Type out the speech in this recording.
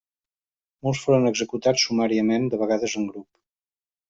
Molts foren executats sumàriament, de vegades en grup.